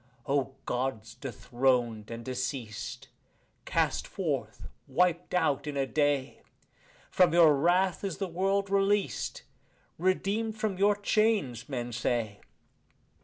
O Gods dethroned and deceased, cast forth, wiped out in a day! From your wrath is the world released, redeemed from your chains, men say.